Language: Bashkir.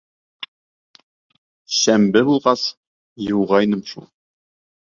Шәмбе булғас, йыуғайным шул.